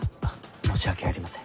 申し訳ありません。